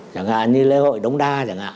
chẳng hạn như lễ hội đống đa